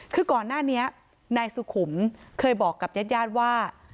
คือก่อนหน้านี้นายสุขุมเคยบอกกับญาติญาติว่า